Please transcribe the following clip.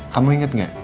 kamu inget gak